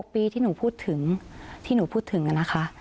ปีที่หนูพูดถึงที่หนูพูดถึงนะคะ